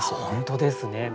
本当ですね。